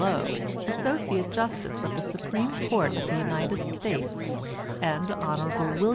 Low), Associate Justice of the Supreme Court of the United States, and Hon. Wm.